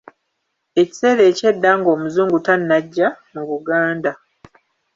Ekiseera eky’edda ng’Omuzungu tannajja, mu Buganda.